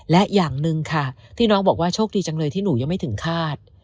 และอย่างหนึ่งค่ะที่น้องบอกว่าโชคดีจังเลยที่หนูยังไม่ถึงคาด